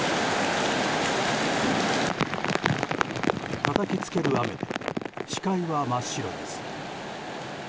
たたきつける雨で視界は真っ白です。